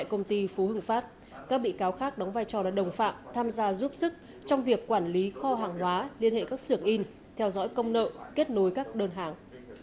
các bị cáo khác đóng vai trò là đồng phạm tham gia giúp sức trong việc quản lý kho hàng hóa liên hệ các sưởng in theo dõi công nợ kết nối các đơn hàng